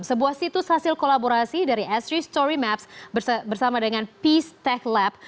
sebuah situs hasil kolaborasi dari asri story maps bersama dengan peace tech lab